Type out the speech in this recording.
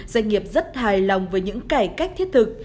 doanh nghiệp rất hài lòng với những cải cách thiết thực